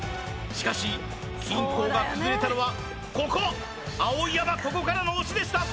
しかし均衡が崩れたのはここ碧山ここからの押しでした・